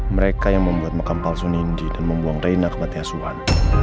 mereka yang membuat mekam palsu nindi dan membuang reina kematian suhan